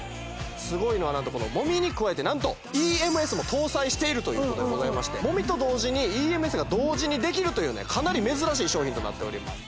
すごいのは何とこの揉みに加えて何とＥＭＳも搭載しているということでございまして揉みと同時にＥＭＳが同時にできるというねかなり珍しい商品となっております